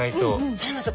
そうなんです